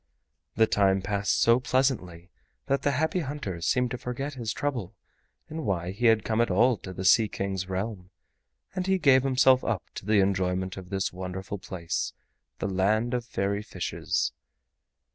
The time passed so pleasantly that the Happy Hunter seemed to forget his trouble and why he had come at all to the Sea King's Realm, and he gave himself up to the enjoyment of this wonderful place, the land of fairy fishes!